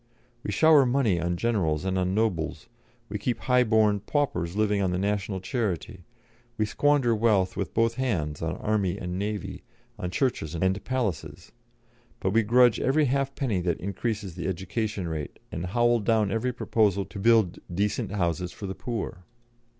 We shower money on generals and on nobles, we keep high born paupers living on the national charity, we squander wealth with both hands on army and navy, on churches and palaces; but we grudge every halfpenny that increases the education rate and howl down every proposal to build decent houses for the poor.